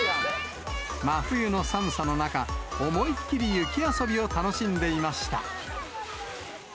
真冬の寒さの中、思いっきり雪遊びを楽しんでいました。